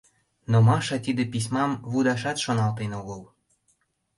Но Маша тиде письмам лудашат шоналтен огыл.